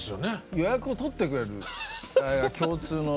予約をとってくれる共通の。